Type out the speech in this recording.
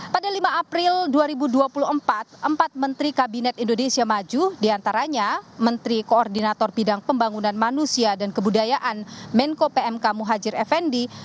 pada lima april dua ribu dua puluh empat empat menteri kabinet indonesia maju diantaranya menteri koordinator bidang pembangunan manusia dan kebudayaan menko pmk muhajir effendi